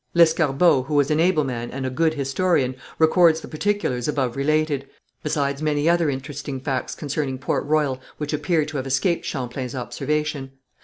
Lescarbot, who was an able man and a good historian, records the particulars above related, besides many other interesting facts concerning Port Royal which appear to have escaped Champlain's observation.